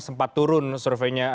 sempat turun surveinya